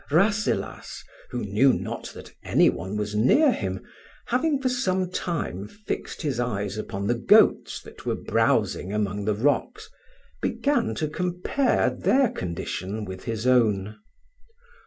Rasselas, who knew not that any one was near him, having for some time fixed his eyes upon the goats that were browsing among the rocks, began to compare their condition with his own.